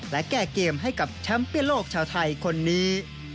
และแก้เกมให้กับแชมป์เปียโลกชาวไทยคนนี้